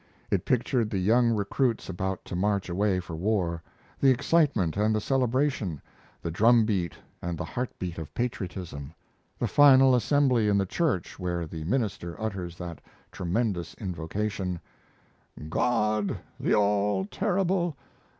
It pictured the young recruits about to march away for war the excitement and the celebration the drum beat and the heart beat of patriotism the final assembly in the church where the minister utters that tremendous invocation: God the all terrible!